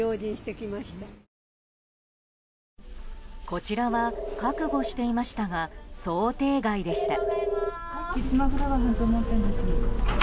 こちらは覚悟していましたが想定外でした。